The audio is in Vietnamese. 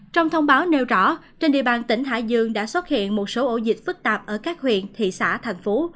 trong thông báo nêu rõ trên địa bàn tỉnh hải dương đã xuất hiện một số ổ dịch phức tạp ở các huyện thị xã thành phố